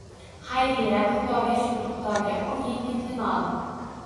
-Hayriyat, xudoga shukr, xudoga. – U yengil tin oldi.